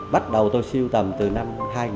bắt đầu tôi siêu tầm từ năm hai nghìn